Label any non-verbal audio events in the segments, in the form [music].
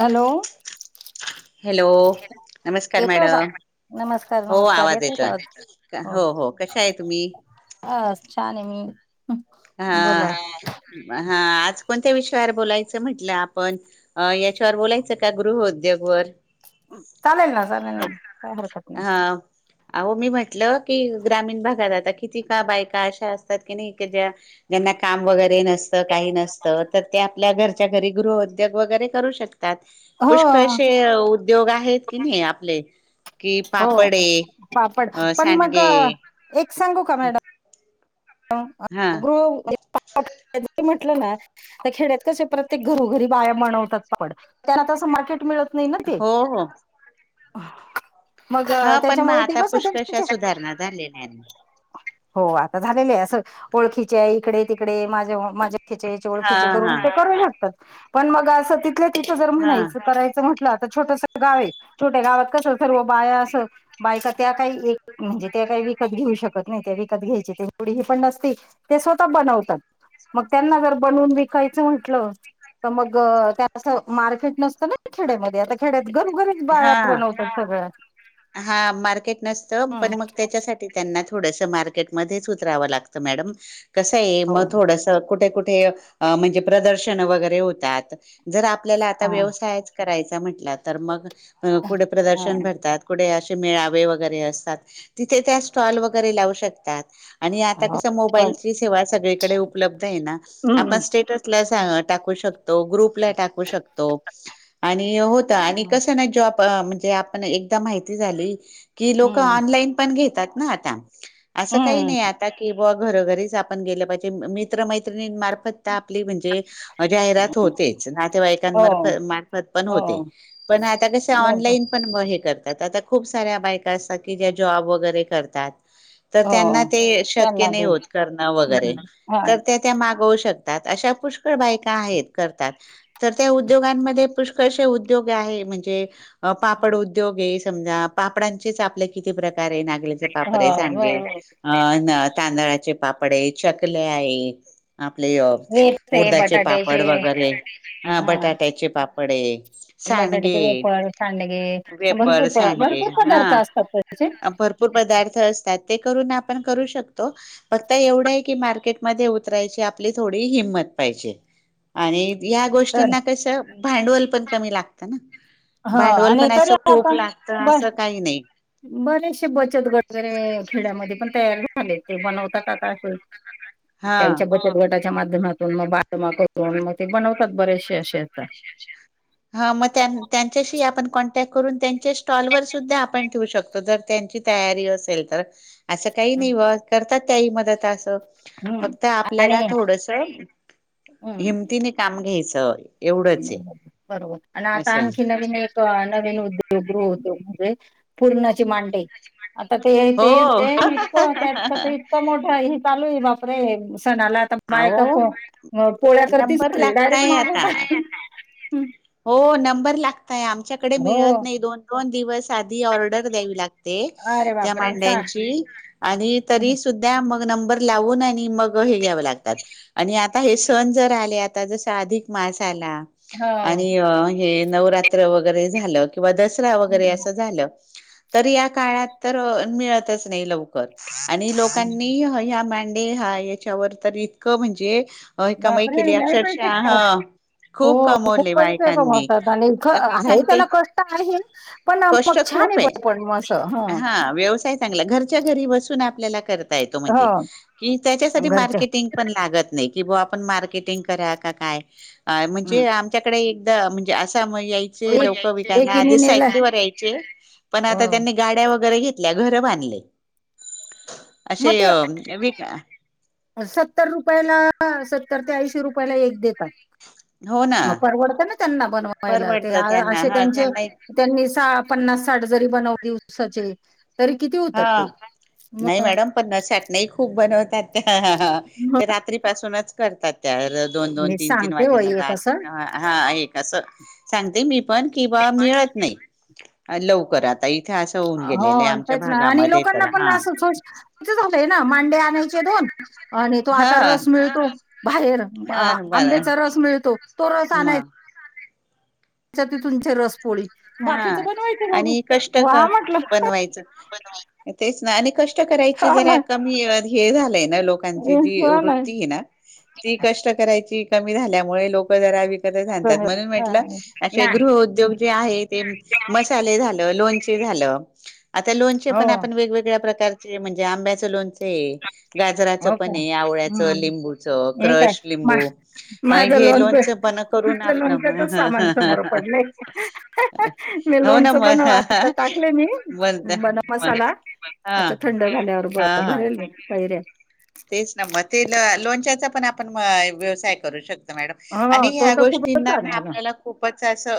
Hello... hello.... नमस्कार येतोय का मॅडम नमस्कार हो नमस्कार आवाज का आवाज येतोय हो हो कशा आहे तुम्ही?.... अ छान आहे मी.... हा बोला हा आ... आज कोणत्या विषयावर बोलायचं म्हंटलं आपण याच्यावर बोलायचं का गृहउद्योग वर... चालेल ना चालेल ना काय हरकत नाही.... हो मी म्हंटलं की ग्रामीण भागात आता किती का बायका अशा असतात की नाही ज्या.... काम वगैरे नसत काही नसतं तर ते आपल्या घरच्या घरी गृहोद्योग वगैरे करू शकतात... हो पुष्कळशे उद्योग आहेत की नाही आपले... कि हो पापडे पापड अ पण मग सांडगे एक सांगू का मॅडम? हा [unintelligible] खेड्यात कस प्रत्येक घरोघरी बाया बनवतात पापड तेला कस मॉकेट मिळत नाही? ना ते हो हो... मग हा पण मग त्याच्यामुळे ते आता कस... पुष्कळशा सुधारणा झालेल्या आहेत. हो आता झालेलं आहे असं ओळखीचे इकडे तिकडे माझ्या माझ्या... हा ओळखिचे करून हा ते करू शकतात पण मग असं तिथलं तिथं जर हा म्हणायच करायचं म्हटल... छोटस गाव आहे छोट्या गावात कस सर्व बाया अस बायका त्या काही एक म्हणजे ते.... काही विकत घेऊ शकत नाही त्या विकत घ्यायची ते एवढी हे पण नसती त्या स्वतः बनवतात..... मग त्यांना जर बनून विकायचं म्हटलं? तर मग त्यां मार्केट नसतं ना खेड्यामध्ये आता खेड्यात. घरोघरीच बाया हा बनवतात सगळ्या. हा मार्केट नसतं पण मग त्याच्यासाठी त्यांनाच थोडसं मार्केट मध्येच उतरावं लागत मॅडम कसंय आहे हो मग थोडसं कुठे कुठ ते म्हणजे प्रदर्शन वगैरे होतात जर आपल्याला आता हा व्यवसायच करायच? म्हणलात तर मग कुठे प्रदर्शन हा भरतात. मेळावे वगैरे असतात तिथे त्या स्टॉल वगैरे लावू शकतात. आणि आता कस पण मोबाईलची सेवा सगळी कडे उपलब्ध आहे ना आपण हम्म स्टेट- टाला टाकु शकतो ग्रुप ला टाकु शकतो. नाही जॉब म्हणजे आपण एकदा माहिती झाली? कि लोक हम्म ऑनलाईन पण घेतात आता अस काही हम्म. नाही आता की? व घरोघरीच आपण गेल्या पाहिजे मित्र मैत्रिणी मार्फत. आपली म्हणजे जाहिरात होतेच नातेवाई हो, मार्फत पण होते? हो. पण आता कस बरोबर. ऑनलाईन पण बन हे करतात आता खूप साऱ्या बायका असतात की ज्या जॉब वगैरे करतात... तर त्यांना ते हो. शक्य त्यांना नाही देऊ. होत करणं वगैरे हं. हां. तर त्या त्या मागवू शकतात... बा आता अशा खुश... उद्योग आहे म्हणजे पापड उद्योग समजा पापडांचे आपल्या किती प्रकार..... अरे नागल्याचे हो, पापरे हो, सांडगे हो. अ... तांदळाचे पापड आहे चकल्या आहेत... आपले ले वेप्स आहे, उडदाचे बटाट्याचे पापड वगैरे अ हां. बटाट्याचे पापड आहे.... बटाट्याचे सांडगे वेफर, सांडगे वेफस भरपूर स प सांडगे भरपूर पदार्थ हा असतात त्याचे. भरपूर पदार्थ असतात... ते करून आपण करू शकतो अ फक्त एवढं आहे की मार्केटमध्ये उतरायची आपली थोडी हिंमत... पाहिजे आणि या तर गोष्टींना कस भांडवल पण कमी लागत ना... ह हम् भांडवल आणि पण तर असं आता खूप आपण लागतं बर... असं काही नाही बरेचशे बचत गट वगैरे खेड्यामध्ये पण... तयारी झालेली बनवतात आ काय हा. त्यांच्या बचत गटाच्या... प्रसाराच्या माध्यमातून मग बातम्या करून मग ते बनवतात बरेचसे असे येतात. हा मग त्यान त्यांच्याशी आपण कॉन्टॅक्ट करून त्यांच्या स्टॉलवरर सुद्धा पण ठेवू शकतो जर त्यांची तयारी असेल तर अस काही नाही बाबा करतात पण काही मदत असं हं. फक्त आपल्याला आणि थोडस [inaudible] हं. हिमतीने काम घ्यायचं. [inaudible] एवढंच आहे. बरोबर आणि आता असं आणखी नवीन एक अ नवीन उद्योग ते होतो म्हणजे अ पूर्णाची मांडे. आता ते ते ते हो इतकं त्याच इतकं मोठं हे चालू आहे बापरे! सणाला आता अहो बायका पो-पोळ्या करतीस नंबर डायरेक्ट लागताय मागे आता होतीस. हो नंबर लागतय य आमच्याकडे हो मिळत नाही दोन-दोन दिवस. साधी ऑर्डर द्यावी लागते अरे त्या बापरे सा मांड्यांची आणि हो तरी सुधा मग नंबर लावून आणि मग हे घ्यावं लागत. आणि आता हे सण जर आले आता जसा अधिक मास त्याला आणि ह हे नवरात्र वगैरे झालं. किंवा दसरा हं, वगैरे हं. असं झालं अ तरी या काळात तर मिळतच नाही लवकर. आणि लोकांनी ह् हया मांडे हा याच्यावर तर इतकं म्हणजे अ कमाई बापरे केली लय पैसे अक्षरशा कमाव ह. हो खूप खूप कमवले पैसे बायकांनी कमावतात आणि ख मी आहे सांगते त्याला कष्ट आहे पण [inaudible] मग कष्ट छान आहे खूप पण पण मग असं आहे [inaudible] हं हा व्यवसाय चांगला घरच घरच्या घरी बसून आपल्याला करता येतो म्हणजे हो की त्यांचासाठी घरच्या मार्केटिंग पण लागत नाही. कि बुआ आपण मार्केटिंग करा की काय हं म्हणजे आमच्याकडे एकदा म्हणजे अस त्यामुळे यायचे लवकर एक विकायला एकीने आधी नेला सायकली वर यायचे पण हो आता त्यांनी गाड्या वगैरे घे तल्या घर बांधले [inaudible] असे मग ते हे बघ इथं हाय. सत्तर रुपयाला अ सत्तर ते ऐंशी रुपयाला एक दे हो. ना मग परवडत ना त्यांना बनवायला ते परवडतं अ त्यांना असे हा त्यांचे त्यांना त्यांनी सा पन्नास साठ जण मी बनवली दिवसाचे तरी किती होतात हा ते नाही मॅडम पन्नास, साठ नाही खूप बनवतात. ते रात्रीपासूनच करतात त्यावेळेला दोन-दोन, मी तीन-तीन सांगते वाजेला वय हे दाट कसं हा एक असं सांगते मी पण कि बा मिळत नाहीत. लवकर आता इथनं त्याच असं होऊन गेले लांब होच ना आणि लोकांना पण अस [unintelligible] रोजच झालंय ना मांडे आणायचे दोन आणि तो हा आता रस मिळतो बाहेर हा बर आंब्याचा रस मिळतो. तो रस आनाय मग चल तिथे तुझी रस पोळी हा बाकीचं बनवायचं भाऊ आणि कष्ट वा म्हटलं. बनवायच तेच ना आणि कष्ट करायची हो ना जरा कमी अ हेच झालंय. नाही लोकांची जी वृत्ती ये ना ती कष्ट करा यची कमी झाल्यामुळे लोक जरा [unintelligible] राहतायत. जमेल. म्हणून म्हटलं अं, अशे नाही गृह हं, उद्योग जे आहेत तेन मसाले झालं, लोणचे झालं आता लोणचे हो पण आपण वेगवेगळ्या प्रकार म्हणजे आंब्याचं लोणचये गाजराचं हो का पण ये, आवळ्याचं, हम्म लिंबूच हे काय क्रश, मा लिंबू अ माझं हे लोणचं लोनच पण त्यांना करून माझं आपन लोणच्याच सामान समोर पण पडलंय [inaudible] मी लोणच पन अता टाकले मी [unintelligible] मग मसाला हा आता थंड झाल्यावर हा हा भरेल म कैऱ्या तेच ना मग तेल लोणच्याचा पण आपण म व्यवसाय करू शकतो? मॅडम हो आणि तो ह्या तर खूपच गोष्टींना छान ना आहे अगं आपल्याला खूपच [unintelligible] असं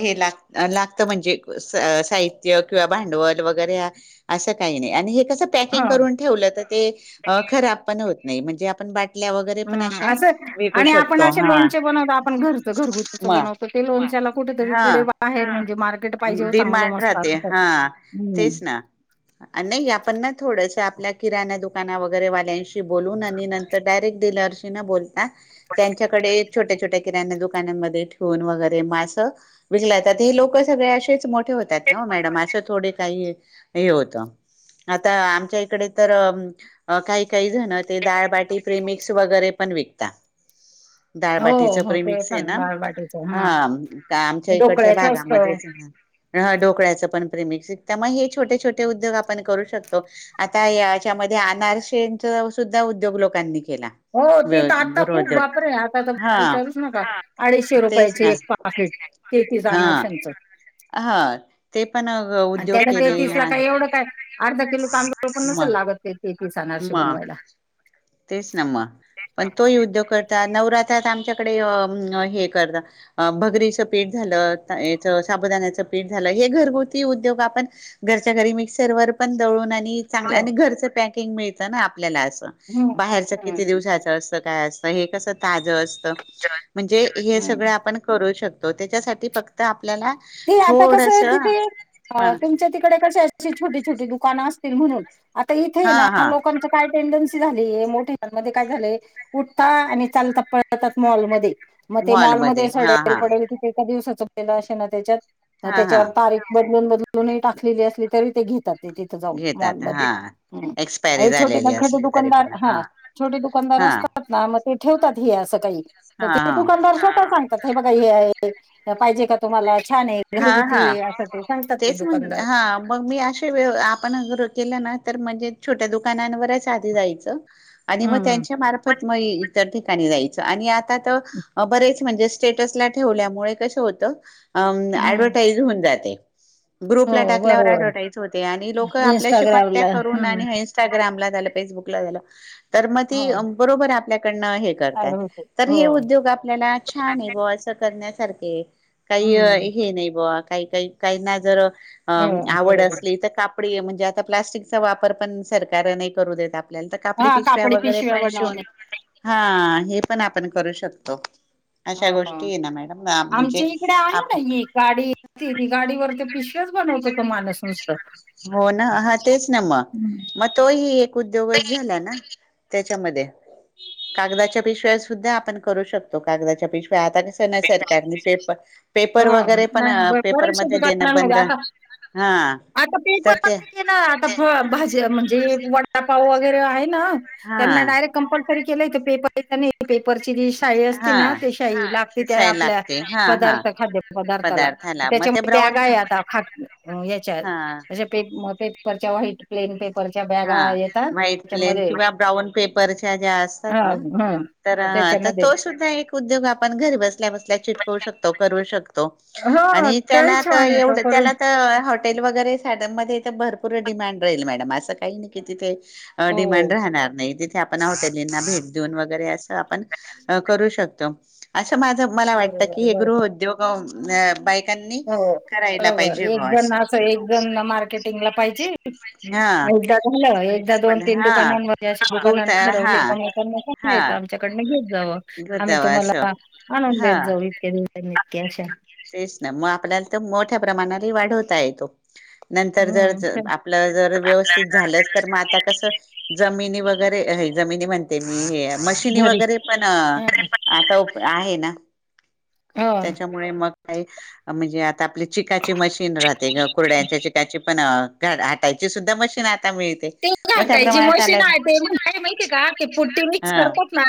हे लागत. लागत म्हणजे स-साहित्य किंवा भांडवल वगैरे हे असं असं, काही नाही. अगदी तसं पॅकिंग हा करून ठेवलं तर ते अ खराब पण होत नाही म्हणजे वगैरे पण हम्म अशा असं विकू आणि आपण शकतो असे हा लोणचे बनवत आपण घरचं घरगुतीच मग बनवत ते लोणच्याला. कुठे तरी हा पुढे बाहेेर म्हणजे मार्केट पाहिजे हो चांगलं डिमांड मस्त राहते हा हम्म तेच ना. नाही आपण ना थोडस आपल्या किराणा दुख. दु वगैरे वाल्यांशी बोलून आणि नंतर डायरेक्ट डिलरशी न बोलता त्यांच्याकडे, छोट्या छोट्या किराणा्या दुकानांमध्ये ठेवून वगरे मास विकला यतात हे लोक सगळे असेच मोठ. होतात ना मॅडम अशे थोडे काही आहे, हे होत आता आमच्या इकडे तर काही. काण तेडाळबाटी फेमिक्स वगैरे पण विकत. हो, डाळबाटीचं हो. परी ते मिक्स आहे सांग ना दालबाटीचं ह हां. आमच्या इकडच्या ढोकळ्याचं असतं. भागामध्ये डोकळ्याच पण छोटे छोटे उद्योग आपण करू शकतो आता या अनारशांचं. सुद्धा उद्योग लोकांनी. केला हो ती तर आता खूप गृहउद्योग बापर आहे आता तर हा विचारूच नका अडीचशे तेच रुपयाचे ना एक पास. तेहतीस हा अनारश्यांचं. हा ते पण उद्योग त्यान केले तिसला काय एवढं काय अर्धा किलो तांम पण नस म लागत ते तेहतीस अनारसे म बनवायला. तेच पण तो युद्ध कर. नवरात्रात आमच्याकडे हे करत भगरीचं पेठ झालं. साबुदाण्याचे पीठ झालं हे घरगुती उद्योग आपण घरच्या घरी मिक्सर पण दळून हो. रच पक मित आपल्याला अस हं. बाहेरच हं, किती हं. दिवसाच अस काय अस? हे कस ताज असत म्हणजे हे हं. सगळ आपण करू शकतो त्याच्यासाठी फक्त. आपल्याला ते आता कसं थोडस आहे तिथे तुमच्या तिकडे क. अशी छोटी छोटी दुकानं असतील म्हणून आता इथे हा ना हा लोकांचं काय? टेंडन्सी झाली मोठेमध्ये काय झालेय उठता आणि चालता पळतात मॉलमध्ये. मग ते मॉलमध्ये मॉलमध्येध्ये हा सडेल हा पडेल किती एका दिवसाचं पल असे ना त्याच्यात हा हा त्याच्यावर तारीख ब बदलून टाकलेली असली तरी ते घेतात ते तिथ जाऊन घेतात मॉलमध्ये हा ह एक्सपायरी छोटे ना झालेली छोटे असली तरी दुकानदार पण हा छोटे दुकानदार हा असतात ना मग ते ठेवतात हे असं काही तर हा ते तु हा का दर्शवत नाही. ते बघा हे आहे पाहिजे का तुम्हाला? छान आहे हा घरगुती हा आहे असं ते सांगतात ते तेच म्ह दुकानदार हा मग मी असे व आपण, तर म्हणजे छोट्या दुकानावरच आधी जायच आणि मग हम्म त्यांच्या मार्फत म इतर ठिकाणी जायच आणि आता तर बरेच. म्हणजे स्टेटसला ठेवल्यामुळेकस होत हम्म ॲडवटाईज होऊन जाते. हो ग्रुपला टाकल्यावर बरोबर ऍडव्हटायच होते आणि लोक आपल्याशी इंस्टाग्रामला कॉन्टॅक्ट करून हम्म आणि इं्स्टाग्रामला फेसबुकला तर मग हो ती बरोबर आपल्या हे ऍड करतात होते तर हो हे उद्योग आपल्याला छान आहे अस करण्यासारखे काहीय हम्म हे नाही बुवा?? काही काही काहींना जर अ.. हो आवड बरोबर असलीत? कापडी म्हणजे आता प्लास्टिकचा वापर पण सरकार नही करू देत. आपल्या ला. त्या नंतर कापडी पिशव्या वगैरे पण शिवून. हा.. हे पण आपण करू शकतो. अशा हो गोष्टी ना मॅडम आमच्या म्हणजे इकडे आहे आप ना ही गाडी ती गाडीवर त्या पिशव्याच बनवतो. तो माणूस नुसता. हो.. ना.. हा.. तेच.. ना. हम्म म तोही एक उद्योगच झाला ना? त्याच्यामध्ये.. कागदाच्या पिशव्या सुद्धा आपण करू शकतो. कागदाच्या पिशव्या आता कसं ना. सरकारनी पेप.. पेपर मध्ये हा वगैरे पण नाही ब- बऱ्याचशा पेपरमध्ये देणं दुकानांमध्ये बंद आता हा.. आता ते पण आम्ही केल. आता भाजी म्हणजे वडापाव वगैरे आहे. ना हा त्यांना डायरेक्ट कंपल्सरी केलय. ते पेपर.. पेपर ची लिस्ट शाई असतती हा ना? ते शाई ला त्या.. दिसाय आपल्या लागते हा हा पदार्थ खाद्य पदार्थाला. त मग त्याच्या ते मधे ब्राऊन बॅगाये आता अच्छा.. हा अश्या पेप.. पेपरच्या व्हाइट प्लेन पेप हा व्हाईट प्लेन किंवा ब्राऊन पेपरच्या.. ज्या असतात हा ना? हा तर.. त त्याच्यामध्ये तो सुद्धा एक उद्योग. आपण घरी बसल्या बसल्या चिटकवू शकतो. करू शकतो? हो आणि त्याला तोही आता छान आहे तो एवढ करून त्यालात हॉटेल वगैरे साड मध्ये भरपूर डिमांड राहील मॅडम. अस काही नही की.. तिथे हो डिमांड राहणार नाही. तिथे आपण हॉटे भेट देऊन वगैरे.. आपण करू शकतो. माझ मला वाट बरोबर की.. हे बरोबर गृहउद्योग बा हो.. बरोबर. एक जण असं.. एक जण मार्केटिंगला पाहिजे. हा.. झाल. एकदा दोन तीन हा दुकानांमधे असे दूध दुकान हा ठरवले का त्यांना हा सांगायच आमच्याकडन घ्या. येत जाव. आम्ही घतावा असं तुम्हाला आणून हा देत जाऊ इतक्या दिवसांनी. इतक्या अशा. तेच ना.. म आपल्याला त मोठ्या प्रमाणाने वाढवता येतो. नंतर जर हं, आपलं जर व्यवस्थित झालं तर, म आता कस जमिनीवर वगैरे जमिनी म्हणते मी मशीनी घरी वगैरे.. पण हं, आता प.. आहे ना? हं. त्याच्यामुळे मग काही.. म्हणजे आता आपली चिकाची मशीन राहते कुर्ड्यां त्याची पण हटायची सुद्धा मशीन आहे. ते घाटायची मशीन आहे. ते म्हण काय माहितीय का? ते कुट्टी मिक्स हा करतात ना?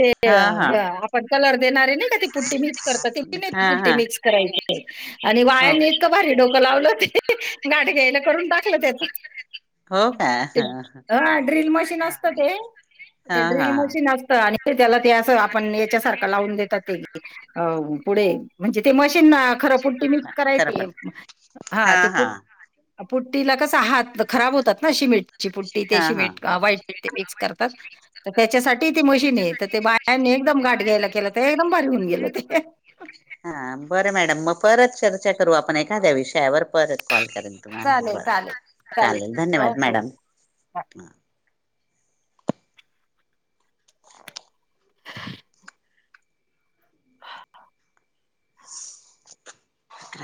ते हा हा घर.. आपण कलर देणारे नाही का? ती पुट्टी मिक्स करता हा पुट्टी हा मिक्स करायचे. आणि हो बायांनी इतकं भारी डोकं लावलं. ते गाठ घ्यायला करून टाकलं. त्याच हो का हा हा ड्रिल मशीन असत ते? हा ते ड्रिल हा मशीन असतं. आणि त्याला ते अस आपण एक सारक लाऊन देतात ते पुढे. म्हणजे ते मशीन त्यांना खर पुट्टी मिक्स करायल ते करपट हा.. ते. पुट्टीला कसं हात खराब होतात ना? सिमेंटची पुट्टी ते हा हा सिमेंट व्हाइट ते मिक्स करतात. त त्याच्यासाठी ती मशीनये तर.. ते बायांनी एकदम गाठ घ्यायला केलं त.. एकदम भारी होऊन गेल ते. हा.. बरं मॅडम. मग परत चर्चा करू आपण एखाद्या विषयावर परत कॉल करेल तुम्हाला. चालेल बरं.. चालेल चालेल धन्यवाद मॅडम. ओके [inaudible] [inaudible] [inaudible]